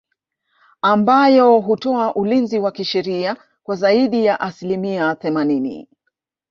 Ambayo hutoa ulinzi wa kisheria kwa zaidi ya asilimia themanini